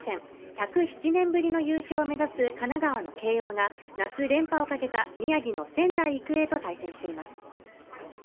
１０７年ぶりの優勝を目指す神奈川の慶応が夏連覇をかけた宮城の仙台育英と対戦しています。